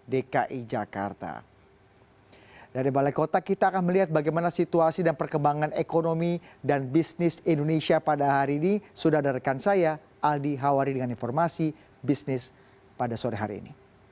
dan juga mengatakan bahwa anggota pemprov ini akan memiliki kebijakan yang lebih baik